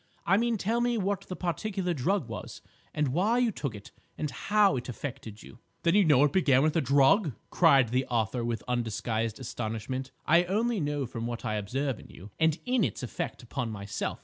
I mean tell me what the particular drug was, and why you took it, and how it affected you—" "Then you know it began with a drug!" cried the author, with undisguised astonishment. "I only know from what I observe in you, and in its effect upon myself.